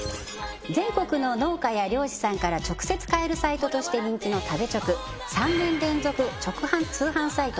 全国の農家や漁師さんから直接買えるサイトとして人気の「食べチョク」３年連続直販通販サイト